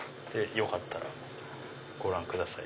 よかったらご覧ください。